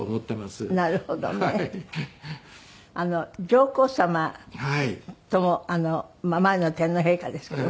上皇さまとも前の天皇陛下ですけど。